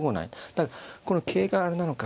だから桂があれなのか。